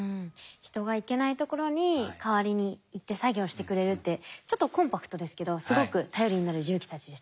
人が行けないところに代わりに行って作業してくれるってちょっとコンパクトですけどすごく頼りになる重機たちでしたね。